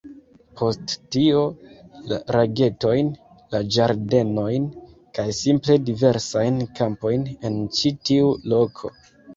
Post tio, la lagetojn, la ĝardenojn, kaj simple diversajn kampojn en ĉi tiu loko.